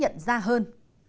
lùi thời gian về trước